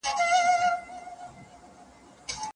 یو څوک کیڼ لاسي کېږي د محیط او جینونو د ګډ اثر له امله.